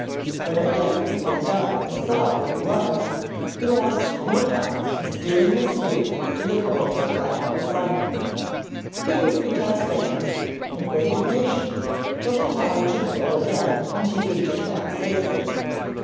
When at length he looked up and saw where he was, he lost no time in steering his skiff to the point of Blackwell's Island. Here he cast anchor, and waited patiently till the tide should flow again and he could get back safely.